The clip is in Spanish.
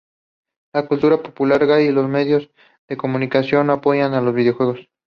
La cultura popular gay y los medios de comunicación no apoyan a los videojuegos.